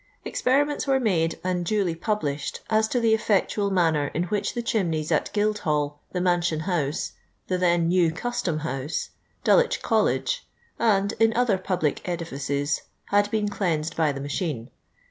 Experiments were made and duly published as to the effectual manner in which the chimneys at Guildhall, the Mansion House, the then new Custom House, Dulwicfa College, and in other public edifices, bad been cleansed by the'macfaine.